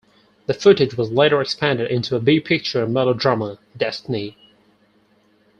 The footage was later expanded into a B-picture melodrama "Destiny".